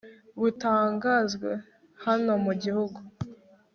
butangazwe hano mu gihugu